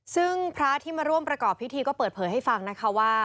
ซึ่งพระที่มาร่วมประกอบพิธีก็เปิดเผยให้ฟังนะคะว่า